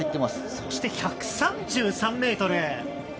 そして１３３ｍ。